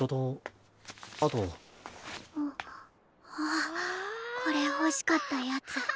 あっこれ欲しかったやつ。